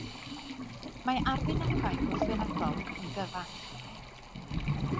Mae arwynebau gwrthwynebol yn gyfath.